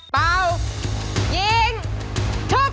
เป่ายิงชุด